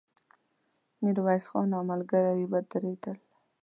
ميرويس خان او ملګري يې ودرېدل.